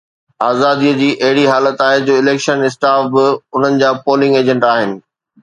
آزاديءَ جي اهڙي حالت آهي جو اليڪشن اسٽاف به انهن جا پولنگ ايجنٽ آهن